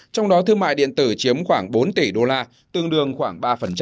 trong đó thương mại điện tử chiếm khoảng bốn tỷ usd tương đương khoảng ba